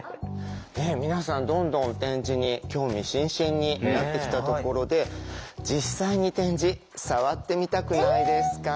ねえ皆さんどんどん点字に興味津々になってきたところで実際に点字触ってみたくないですか？